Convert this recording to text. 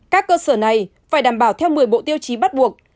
các cơ sở này phải đảm bảo theo một mươi bộ tiêu chí bắt buộc